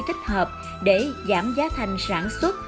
thích hợp để giảm giá thành sản xuất